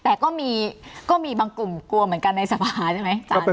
แต่ก็มีก็มีบางกลุ่มกลัวเหมือนกันในสภาใช่ไหม